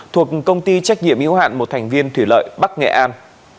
thuộc công ty trách nhiệm yếu hạn một thành viên thủy lợi bắc nghệ an